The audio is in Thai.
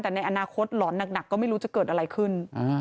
แต่ในอนาคตหลอนหนักก็ไม่รู้จะเกิดอะไรขึ้น